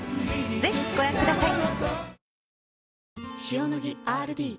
ぜひご覧ください。